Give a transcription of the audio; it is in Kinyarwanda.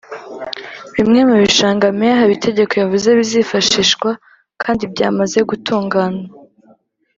Bimwe mubishanga Meya Habitegeko yavuze bizifashishwa kandi byamaze gutunganwa